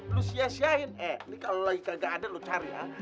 lo sia siain eh nih kalo lagi kagak ada lo cari ya